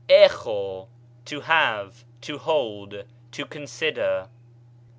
ἔχω, to have, to hold, to consider.